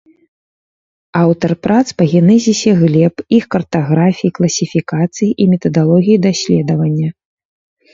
Аўтар прац па генезісе глеб, іх картаграфіі, класіфікацыі і метадалогіі даследавання.